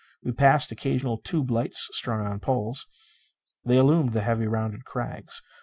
We passed occasional tube lights strung on poles. They illumined the heavy rounded crags.